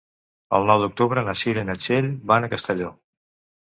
El nou d'octubre na Cira i na Txell van a Castelló.